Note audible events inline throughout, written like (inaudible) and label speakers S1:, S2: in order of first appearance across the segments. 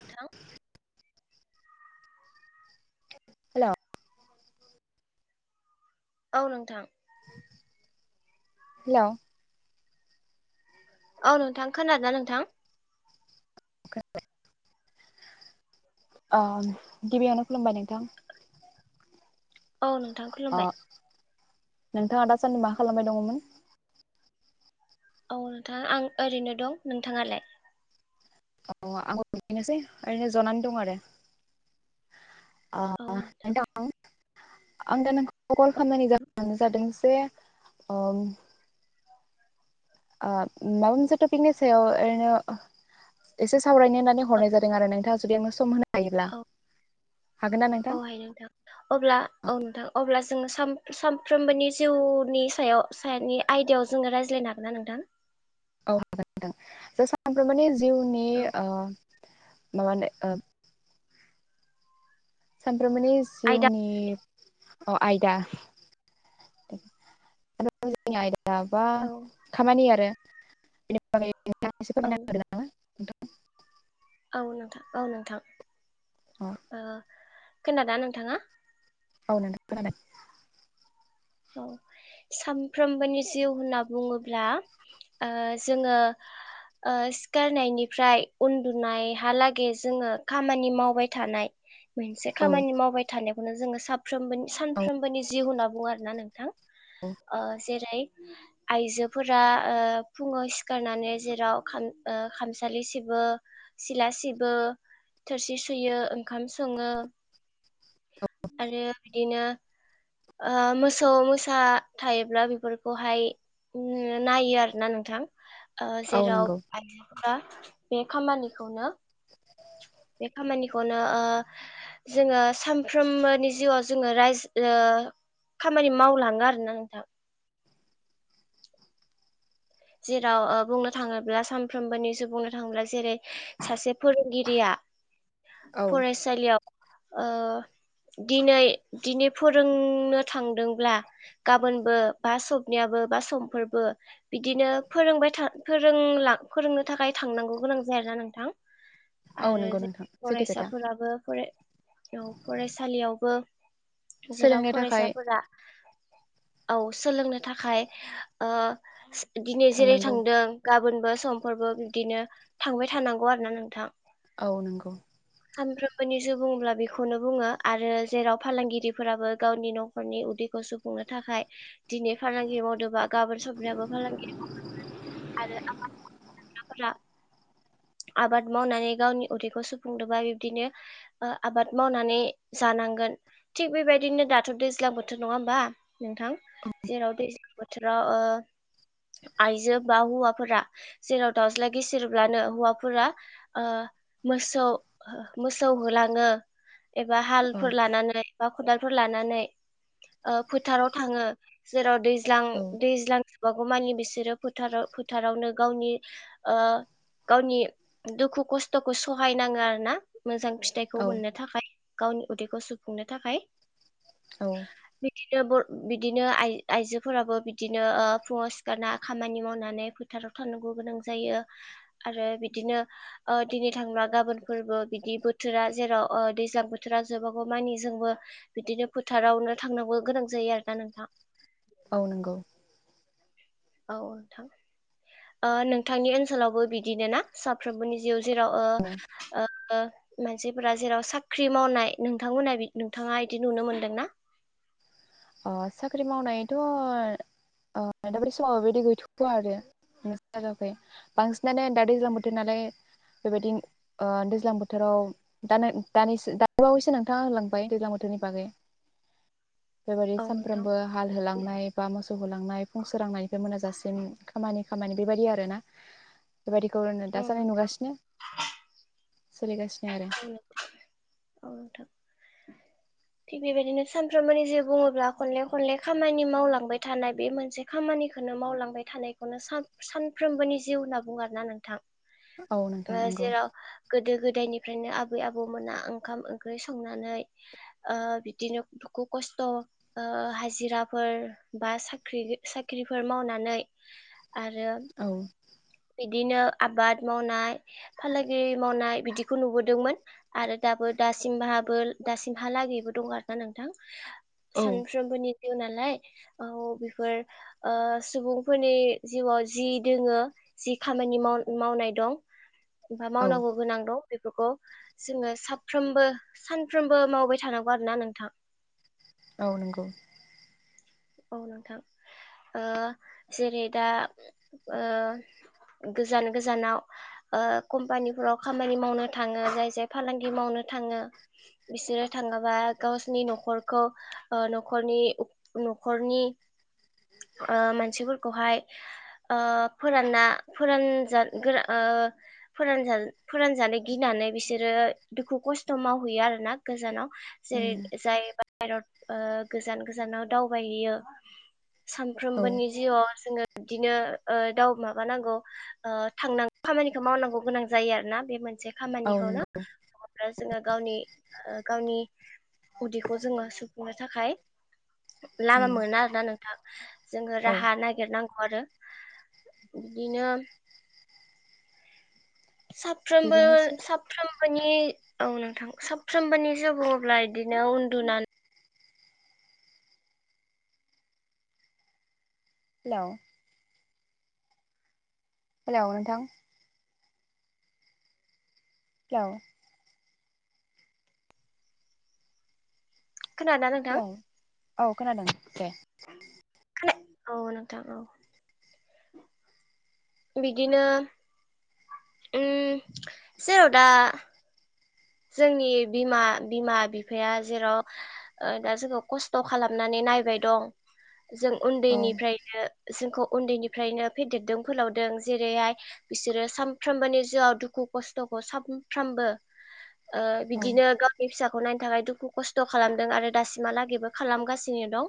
S1: नोंथां।
S2: हेल'
S1: औ नोंथां
S2: हेल'
S1: औ नोंथां खोनादोंना नोंथां?
S2: (unintelligible) औ गिबियावनो खुलुमबाय नोंथां।
S1: औ नोंथां
S2: अ
S1: खुलुमबाय।
S2: नोंथाङा दासान्दि मा खालामबाय दङमोन?
S1: औ नोंथां आं ओरैनो दं नोंथाङालाय?
S2: अ आंबो बिदानोसै ओरैनो जनानै दं आरो। अ अ नोंथां? आं दा नोंखौ खल खालामनायनि जाहोना जादों बे उम आ माबा मोनसे ट'पिकनि सायाव ओरैनो एसे सावरायनो होननानै हरनाय जादों आरो नोंथाङा जुदि आंनो सम होनो हायोब्ला
S1: औ
S2: हागोन ना नोंथां?
S1: औहाय
S2: औ।
S1: जों सान सानफ्रोमबोनि जिउनि सायाव सायानि आयदायाव जोङो रायज्लायनो हागोन ना नोंथां?
S2: औ हागोन नोंथां जों सानफ्रोमबोनि जिउनि
S1: औ
S2: ओ माबानो ओब सान फ्रोमबोनि
S1: आयदा
S2: जिउनि अ आयदा (unintelligible) दाबा
S1: औ
S2: खामानि आरो बिनि बागै नोंथाङा एसे
S1: औ
S2: फोरमायना होदो नामा?
S1: औ नोंथां औ नोंथां। ओ खोनादों ना नोंथाङा?
S2: ओ नोंथां खोनादों।
S1: औ सामफ्रोमबोनि जिउ होनना बुङोब्ला ओ जोङो ओ सिखारनायनिफ्राय उन्दुनायहालागै जोङो खामानि मावबाय थानाय। मोनसे
S2: खोनादों
S1: खामानि मावबाय थानाय खौनो जोङो साफ्रोमबोनि
S2: औ
S1: सानफ्रोमबोनि जिउ होनना बुङो आ (unintelligible) नोंथां
S2: औ
S1: ओ जेरै आइजोफोरा ओ फुङाव सिखारनानै जेराव खाम ओ खामसालि सिबो, सिला सिबो, थोरसि सुयो, ओंखाम सङो आरो बिदिनो ओ मोसौ मोसा थायोब्ला बेफोरखौहाय नायो आरोना नोंथां। ओ
S2: औ
S1: जेराव
S2: नंगौ
S1: हा बे खामानिखौनो बे खामानिखौनो ओ जोङो सामफ्रोमबोनि जिउआव जोङो रायज ओ खामानि मावलाङो आरोना नोंथां। जेराव ओ बुंनो थाङोब्ला सानफ्रोमबोनि बुंनो थाङोब्ला जेरै सासे फोरोंगिरिया
S2: औ
S1: फरायसालियाव ओ दिनै दिनै फोरोंनो थांदोंब्ला गाबोनबो बा सबनियाबो बा समफोरबो बिदिनो फोरोंबाय था फोरोंला फोरोंनो थाखाय थांनांगौ गोनां जागोन नोंथां।
S2: औ
S1: आरो
S2: नंगौ
S1: जे
S2: नोंथां सैथो खोथा
S1: फरायसाफोराबो फराय औ फरायसालियावबो जेराव
S2: सोलोंनो थाखाय
S1: फरायसाफोरा औ सोलोंनो थाखाय दिनै जेरै
S2: थांनांगौ
S1: थांदों गाबोन बो समफोरबो बिदिनो थांबाय थानांगौ आरोना नोंथां।
S2: औ नंगौ।
S1: सानफ्रोमबोनि जिउ बुङोब्ला बेखौनो बुङो आरो जेराव फालांगिरिफोराबो गावनि न'खरनि उदैखौ सुफुंनो थाखाय दिनै फालांगि मावदोंबा गाबोन सबनियाबो फालांगि (unintelligible) आबाद मावनानै गावनि उदैखौ सुफुंदोंबा बिबदिनो आबाद मावनानै जानांगोन। थिग बेबायदिनो दाथ' दैज्लां बोथोर नङा होमबा। नोंथां जेराव दैज बोथोराव ओ आइजो बा हौवाफोरा जेराव दाउज्ला गिसिरब्लानो हौवाफोरा मोसौ मोसौ होलाङो एबा
S2: औ
S1: हालफोर लानानै बा खदालफोर लानानै ओ फोथाराव थाङो जेराव दै दैज्लां
S2: औ
S1: दैज्लां जोबागौ मानि बिसोरो फोथाराव फोथारावनो गावनि ओ गावनि दुखु खस्थ'खौ सहायनाङो आरोना मोजां फिथाइखौ
S2: औ
S1: मोननो थाखाय गावनि उदैखौ सुफुंनो थाखाय
S2: औ
S1: बिदिनो बर बिदिनो आइजोफोराबो बिदिनो ओ फुंआव (unintelligible) खामानि मावनानै फोथाराव थांनांगौ गोनां जायो आरो बिदिनो ओ दिनै थांबा गाबोनफोरबो बिदि बोथोरा ओ जेराव दैज्लां बोथोरा जोबागौ मानिजोंबो बिदिनो फोथारावनो थांनांगौ गोनां जायो आरोना नोंथां
S2: औ नंगौ
S1: औ नोंथां ओ नोंथांनि ओनसोलावबो बिदिनो ना साफ्रोमबोनि जिउ जेराव ओ ओ मानसिफोरा जेराव साख्रि मावनाय नोंथांमोनहा नोंथाङा इदि नुनो मोन्दों ना?
S2: अ साख्रि मावनायथ' दाब समाव बेबायदि गैथ'वा आरो जाखै बांसिनानो दा दैज्लां बोथोर नालाय बेबायदि दैज्लां बोथोराव दो द बावैसो नोंथाङा होलांबाय दैज्लां बोथोरनि बागै बेबायदि
S1: औ नोंथां
S2: सानफ्रोमबो हाल होलांनाय बा मोसौ होलांनाय फुंसोरांनायनिफ्राय मोनाजासिम खामानि खामानि बेबायदि आरो ना बेबायदिखौनो
S1: औ
S2: दासान्दि
S1: नोंथां
S2: नुगासिनो सोलिगासिनो आरो
S1: (inaudible) थिग बेबायदिनो सानफ्रोमबोनि जिउ बुङोब्ला खनले खनले खामानि मावलांबाय थानाय बे मोनसे खामानिखौनो मावलांबाय थानायखौनो सानफ्रोमबोनि जिउ होनना बुङो आरोना नोंथां
S2: औ नोंथां नंगौ
S1: जेराव गोदो गोद दायनि फ्रायनो आबै आबौमोना ओंखाम ओंख्रि संनानै ओ बिदिनो दुखु खस्थ'ओ हाजिराफोर बा साख्रि साख्रिफोर मावनानै आरो
S2: औ
S1: बिदिनो आबाद मावनाय फालांगि मावनाय बिदि बेखौ नुबोदोंमोन आरो दाबो दासिमाबो दासिमहालागैबो दं आरो ना नोंथां
S2: औ
S1: सानफ्रोमबोनि नालाय औ बेफोर ओ सुबुंफोरनि जिउआव जि दोङो जि खामानि माव मावनाय दं (unintelligible)
S2: औ
S1: मावनांगौ गोनां दं बेफोरखौ जोङो साफ्रोमबो सानफ्रोमबो मावबाय थानांगौ आरो ना नोंथां
S2: औ नंगौ
S1: औ नोंथां ओ जेरै दा ओ गोजान गोजानाव ओ कम्पानिफोराव खामानि मावनो थाङो जाय जाय फालांगि मावनो थाङो बिसोरो थाङोबा गावसिनि न'खरखौ ओ न'खरनि न'खरनि ओ मानसिफोरखौहाय ओ फोरानना फोरानजा गोरा फोर फोरानजानो गिनानै बिसोरो दुखु खस्थ' मावहैयो आरो ना गोजानाव जेरै
S2: उम
S1: जाय बायराव ओ गोजान गोजानाव दावबायहैयो
S2: औ
S1: सानफ्रोमबोनि जिउआव जोङो बिदिनो ओ दाउ माबानांगौ ओ थांनां खामानिखौ मावनांगौ गोनां जायो आरोना बे मोनसे
S2: औ
S1: खामानिखौनो
S2: नंगौ
S1: जोङो गावनि ओ गावनि उदैखौ जोङो सु फुंनो थाखाय लामा
S2: उम
S1: मोना आरोना नोंथां ‌। (inaudible) जोङो
S2: औ
S1: राहा नागिरनां आरो बिदिनो साफ्रोमबो
S2: बिदिनोसै
S1: साफ्रोम बोनि औ नोंथां साफ्रोमबोनि जौ बुंङोब्ला इदिनो उन्दुना
S2: इलाव हेलौ नोंथां। लाव
S1: खोनादना
S2: हेलौ
S1: नोंथां?
S2: औ खोनादों दे।
S1: खोने औ नोंथां औ ‌। बिदिनो उम जेराव दा जोंनि बिमा-बिमा बिफाया जेराव ओ दा जोंखौ खस्थ' खालामनानै नायबाय दं। जों
S2: औ
S1: उन्दैनिफ्रायनो जोंखौ उन्दैनिफ्रायनो फेदेरदों फोलावदों जेरैहाय बिसोरो सानफ्रोमबोनि जिउआव दुखु खस्थ'खौ सानफ्रामबो ओ
S2: औ
S1: बिदिनो गावनि फिसा खौ नायनो थाखाय दुखु खस्थ' खालामदों आरो दासिमहालागैबो खालामगासिनो दं।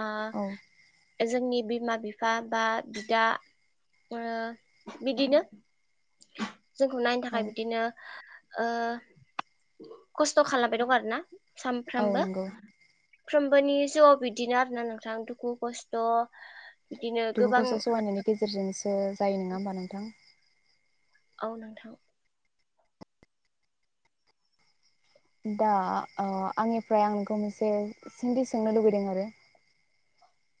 S1: आ
S2: औ
S1: जोंनि बिमा बिफा बा बिदा ओ बिदिनो जोंखौ नायनो थाखाय बिदिनो ओ खस्थ' खालामबाय दं आरो ना ‌।
S2: औ
S1: सानफ्रामबो
S2: नंगौ
S1: फ्रोमबोनि जिउआव बिदिनो आरो ना नोंथां दुखु खस्थ' बिदिनो
S2: दुखु
S1: गोबां
S2: खस्थ' सहायनायनि गेजेरजों सो जायो नंङा होमबा नोंथां?
S1: औ नोंथां
S2: दा ओ आंनिफ्राय आं नोंखौ मोनसे सोंदि सोंनो लुुबैदों आरो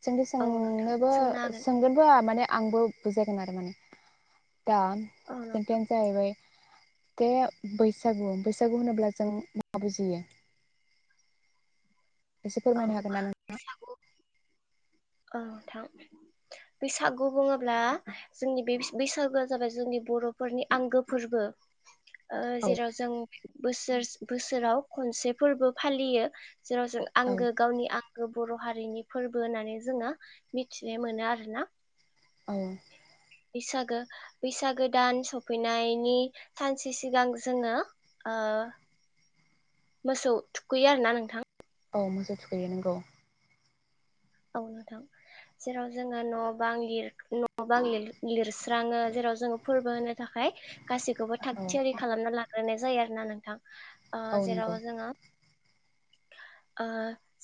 S2: सोंदि
S1: औ नोंथां
S2: सोंनोबो
S1: सोंनो हागोन
S2: सोंगोनबो आ माने आंबो बुजायगोन आरो माने दा
S1: औ
S2: खोथायानो जाहैबाय बेे बैसागु बैसागु होनोब्ला जों मा बुजियो एसे
S1: औ
S2: फोरमायनो हागोन ना नोंथां
S1: औ नोंथां बैसागु बुंङोब्ला जोंनि बे बैस बैसागुआ जाबाय जोंनि बर'फोरनि आंगो फोरबो। ओ
S2: औ
S1: जेराव जों बोसोर बोसोराव खनसे फोरबो फालियो। जेराव जों
S2: औ
S1: आंगो गावनि आं गो बर' हारिनि फोरबो होननानै जोंङो मिथिनो मोनो आरोना
S2: औ
S1: बैसागो बैसागो दान सफैनायनि सानसे सिगां जोङो मोसौ थुखैयो आरो ना नोंथां
S2: औ मोजौ थुखैयो नोंगौ
S1: औ नोंथां जेराव जोङो न' बां न' बां लिरस्राङो जेराव जोङो फोरबो होनो थाखाय गासैखौबो थाग
S2: औ
S1: थियारि खालामना ला ग्रोनाय जायो आरो ना नोंथां ओ
S2: औ नंगौ
S1: जेराव जोङो ओ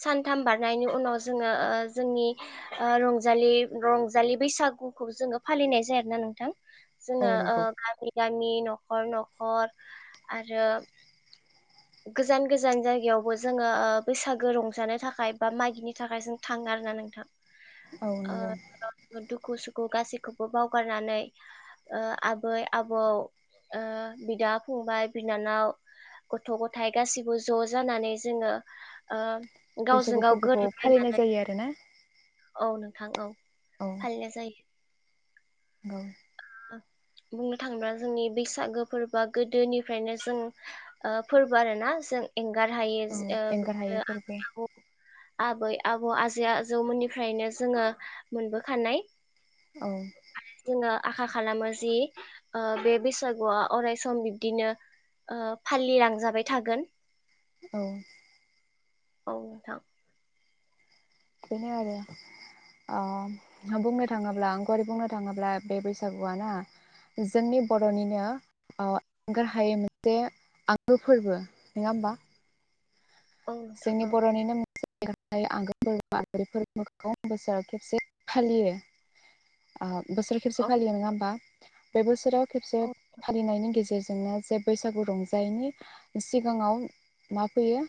S1: सानथाम बारनायनि उनाव जोङो ओ जोंनि रंजालि रंजालि बैसागुखौ जोङो फालिनाय जायो आरोना नोंथां
S2: औ
S1: जोङो ओ
S2: नंगौ
S1: गामिनि गामि न'खर न'खर आरो गोजान गोजान जायगायावबो जोङो बैसागो रंजानो थाखाय बा मागिनो थाखाय जों थाङो आर ना नोंथां
S2: औ नंगौ
S1: सुखु सुखु गाैखौबो बावगारनानै ओ आबै आबौ बिदा फंबाय बिनानाव गथ' गथायाइ गाैबो ज' जानानै जोङो ओ गावजों
S2: बैसागु
S1: गाव
S2: फोरबोखौ
S1: गोरोबलायनानै
S2: फालिनाय जायो आरो ना
S1: औ नोंथां औ फालिनाय जायो
S2: औ
S1: बुंनो थाङोब्ला जोंनि बैसागो फोरबोआ गोदोनिफ्रायनो जों फोरबो आर ना जों एंगार हायो
S2: औ
S1: ओ
S2: एंगार हायै
S1: बिदिनो आबै
S2: फोरबो
S1: आबौ आबै आबौ आजै आजौमोननि ओनिफ्रायनो जोङो मोनबोखानाय
S2: औ
S1: आङो आखा खालामो जि ओ बे बैसागुआ अरायसम ओ बिब्दिनो फालिलांजाबाय थागोन
S2: औ।
S1: औ नोंथां।
S2: बेनो आरो अ। बुंनो थाङोब्ला आं। आरि बुंनो थाङोब्ला बे बैसागुआ ना जोंनि बर'निनो ओ आंगार हायै मोनसे आंगो फोरबो नङा होमबा।
S1: औ नोंथां
S2: जोंनि
S1: औ।
S2: (unintelligible) खेबसे फालियो ओ। बोसोर खेबसे
S1: औ
S2: फालियो नङा होमबा? बे बोसोराव खेबसे
S1: औ
S2: फालिनायनि गेजेरजों बिनो जे बैसागु रंजायिनि सिगाङाव मा फैयो।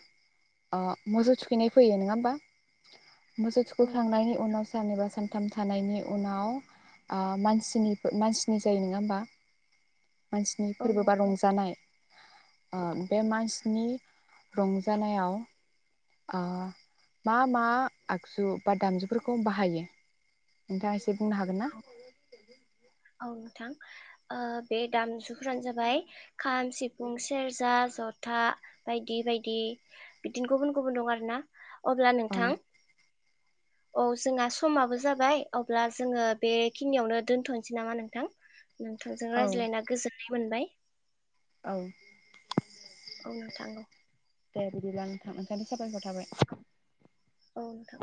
S2: ओ मोजौ थुखैनाय फैयो नङा होमबा? मोसौ
S1: औ
S2: सुखुखांनायनि उनाव सननै सान थाम थानायनि उनाव ओ माननि मानसिनि जायो नङा होमबा? मानसिनि
S1: औ
S2: फोरबो बा
S1: नोंथां
S2: रंजानाय ओ बे मानसिनि रंजानायाव ओ मा मा आगजु बा दामजुफोरखौ बाहायो नोंथाङा एसे एसे बुंनो हागोन ना?
S1: औ नोंथां ओ बे दामजुफोरानो जाबाय खाम, सिफुं, सेरजा, जथा बायदि बायदि बिदिनो गुबुन गुबुन दं आरो ना। अब्ला नोंथां
S2: औ
S1: औ जोंना समाबो जाबाय अब्ला जोङो बेखिनियावनो दोनथ' नोसै नामा नोंथां। नोंथांजों
S2: औ
S1: रायज्लायना गोजोननाय मोनबाय।
S2: औ।
S1: बुंनो थांगौ।
S2: दे बिदिब्ला नोंथां नोंथांनि साबायखर थाबाय।
S1: औ नोंथां।